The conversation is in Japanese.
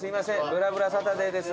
『ぶらぶらサタデー』です。